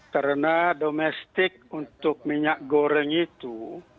karena domestik untuk minyak goreng itu